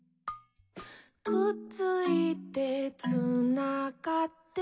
「くっついてつながって」